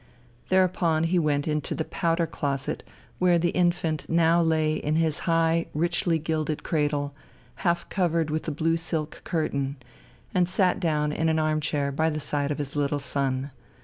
Thereupon he went into the "powder closet," where the infant now lay in his high, richly gilded cradle, half covered with a blue silk curtain, and sat down in an armchair by the side of his little son.